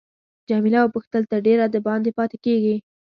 جميله وپوښتل تر ډېره دباندې پاتې کیږې.